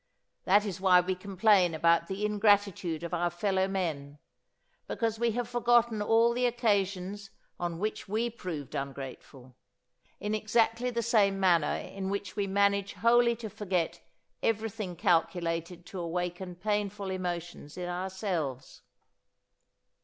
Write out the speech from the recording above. That is why we complain about the ingratitude of our fellow men, because we have forgotten all the occasions on which we proved ungrateful, in exactly the same manner in which we manage wholly to forget everything calculated to awaken painful emotions in ourselves.